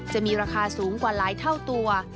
จะมีราคาสูงกว่าหลายเท่าตัว